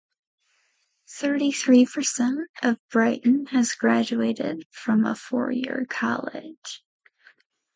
Thirty-three percent of Brighton has graduated from a four-year college.